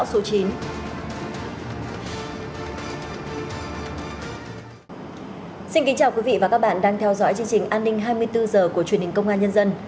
xin kính chào quý vị và các bạn đang theo dõi chương trình an ninh hai mươi bốn h của truyền hình công an nhân dân